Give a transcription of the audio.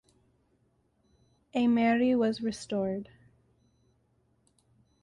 Aimeri was restored.